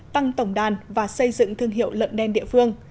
tăng tổng đàn và xây dựng thương hiệu lợn đen địa phương